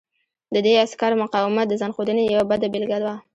د دې عسکر مقاومت د ځان ښودنې یوه بده بېلګه وه